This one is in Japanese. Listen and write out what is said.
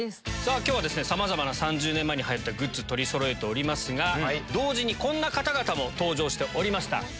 今日は３０年前に流行ったグッズ取りそろえておりますが同時にこんな方々も登場しておりました。